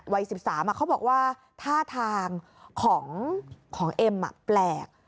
วัย๑๓เขาบอกว่าท่าทางของเอ็มแปลก